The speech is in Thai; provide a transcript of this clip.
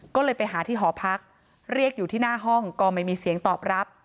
ก็เลยไปหาที่หอพักเรียกอยู่ที่หน้าห้องก็ไม่มีเสียงตอบรับ